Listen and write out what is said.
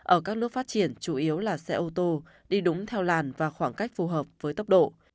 ở các nước phát triển chủ yếu là xe ô tô đi đúng theo làn và khoảng cách phù hợp với tốc độ